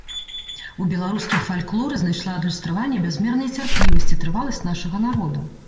У беларускім фальклоры знайшла адлюстраванне бязмерная цярплівасць і трываласць нашага народа.